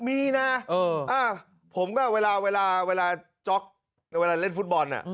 มีนะผมก็เวลาเจาะเวลาเล่นฟุตบอลน่ะ